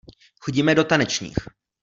Chodíme do tanečních.